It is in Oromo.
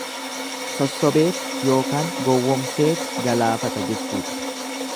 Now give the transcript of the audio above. Sossobeeti, ykn gowwomseeti galaafata jechuudha.